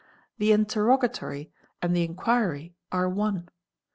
The interrogatory and the inquiry are one.